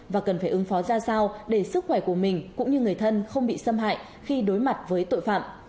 và cần phải ứng phó ra sao để sức khỏe của mình cũng như người thân không bị xâm hại khi đối mặt với tội phạm